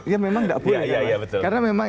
ya memang tidak boleh karena memang